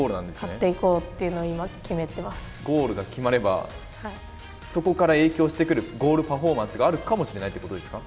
買っていこうっていうのを今、ゴールが決まれば、そこから影響してくる、ゴールパフォーマンスがあるかもしれないということですか。